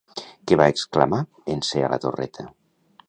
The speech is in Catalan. Què va exclamar en ser a la torreta?